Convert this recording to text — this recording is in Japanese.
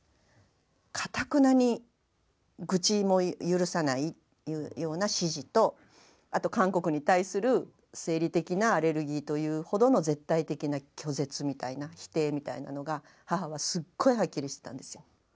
かたくなに愚痴も許さないというような支持とあと韓国に対する生理的なアレルギーというほどの絶対的な拒絶みたいな否定みたいなのが母はすっごいはっきりしてたんですよ。